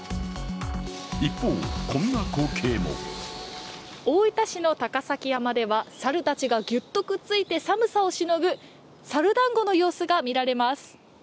一方、こんな光景も大分市の高崎山では猿たちがぎゅっとくっついて寒さをしのぐ猿だんごの様子が見られます。